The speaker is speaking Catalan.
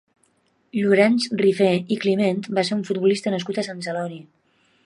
Llorenç Rifé i Climent va ser un futbolista nascut a Sant Celoni.